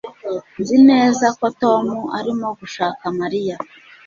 Nzi neza ko Tom arimo gushaka Mariya